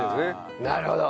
なるほど。